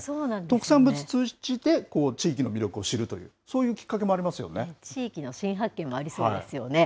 特産物通じて、地域の魅力を知るという、そういうきっかけも地域の新発見もありそうですよね。